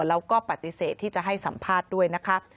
แล้วก็ปฏิเสธที่จะให้สัมภาษณ์ด้วยนะคะ